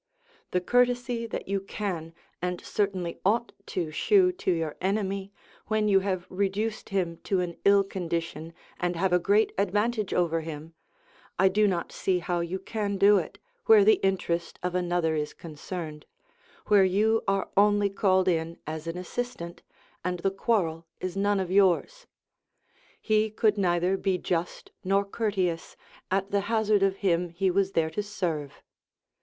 The courtesy that you can, and certainly ought to shew to your enemy, when you have reduced him to an ill condition and have a great advantage over him, I do not see how you can do it, where the interest of another is concerned, where you are only called in as an assistant, and the quarrel is none of yours: he could neither be just nor courteous, at the hazard of him he was there to serve.